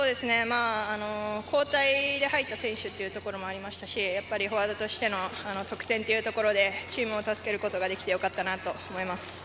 交代で入った選手というところもありましたし、フォワードとしての得点というところでチームを助けることができてよかったと思います。